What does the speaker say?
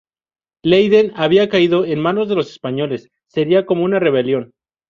Leiden había caído en manos de los españoles; sería como una rebelión.